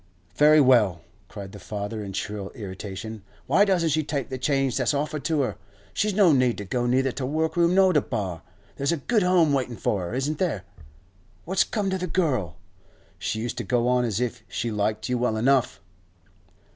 'Very well,' cried the father in shrill irritation, 'why doesn't she take the change that's offered to her? She's no need to go neither to workroom nor to bar. There's a good home waiting for her, isn't there? What's come to the girl? She used to go on as if she liked you well enough.